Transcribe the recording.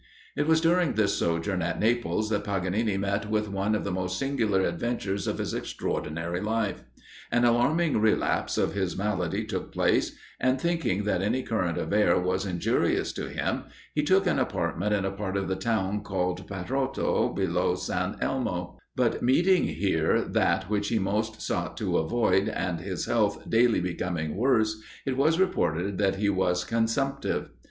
It was during this sojourn at Naples, that Paganini met with one of the most singular adventures of his extraordinary life. An alarming relapse of his malady took place; and, thinking that any current of air was injurious to him, he took an apartment in a part of the town called Petrajo, below Sant Elmo; but meeting here that which he most sought to avoid, and his health daily becoming worse, it was reported that he was consumptive.